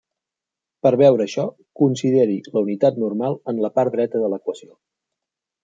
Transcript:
Per veure això, consideri la unitat normal en la part dreta de l'equació.